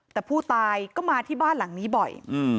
แต่ผู้ตายก็มาที่บ้านหลังนี้บ่อย